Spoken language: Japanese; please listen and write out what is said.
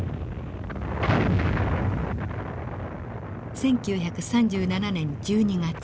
１９３７年１２月。